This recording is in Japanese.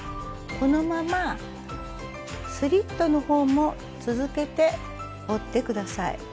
このままスリットの方も続けて折って下さい。